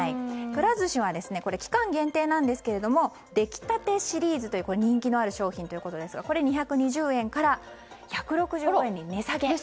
くら寿司は期間限定なんですができたてシリーズという人気のあるシリーズですが２２０円から１６５円に値下げ。